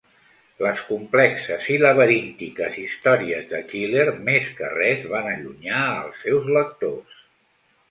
Les complexes i laberíntiques històries de Keeler, més que res, van allunyar als seus lectors.